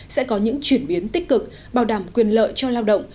sẽ có những chuyển biến tích cực bảo đảm quyền lợi cho lao động